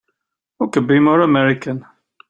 What could be more American!